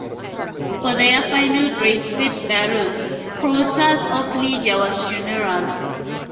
For their final great field battle, Croesus of Lydia was general.